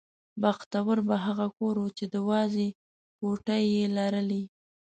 بختور به هغه کور و چې د وازې پوټې یې لرلې.